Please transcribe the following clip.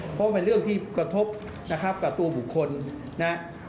เพราะเป็นเรื่องที่กระทบนะครับกับตัวบุคคลนะ